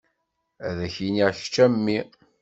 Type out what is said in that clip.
Ad ak-iniɣ kečč a mmi.